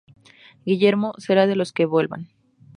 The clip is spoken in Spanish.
Guillermo será de los que vuelven.